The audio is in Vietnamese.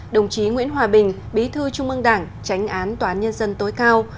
đồng chí nguyễn hòa bình bí thư trung mương đảng tránh án toán nhân dân tối cao